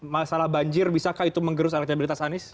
masalah banjir bisakah itu menggerus elektabilitas anies